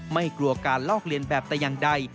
ไม่กลัวการลอกเลียนแบบแต่อย่างใด